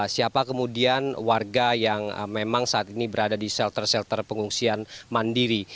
siapa kemudian warga yang memang saat ini berada di shelter shelter pengungsian mandiri